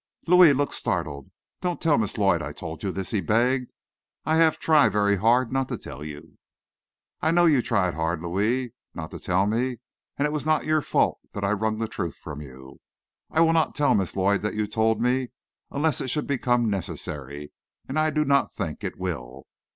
Louis looked startled. "Don't tell Miss Lloyd I told you this," he begged; "I have try very hard not to tell you." "I know you tried hard, Louis, not to tell me, and it was not your fault that I wrung the truth from you. I will not tell Miss Lloyd that you told me, unless it should become necessary, and I do not think it will.